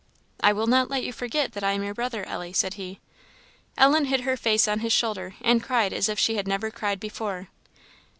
"I will not let you forget that I am your brother, Ellie," said he. Ellen hid her face on his shoulder, and cried as if she had never cried before.